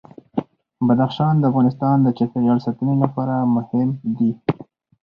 بدخشان د افغانستان د چاپیریال ساتنې لپاره مهم دي.